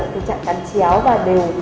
tình trạng cắn chéo và đều